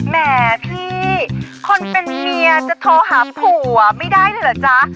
แหมพี่คนเป็นเมียจะโทรหาผัวไม่ได้เลยเหรอจ๊ะ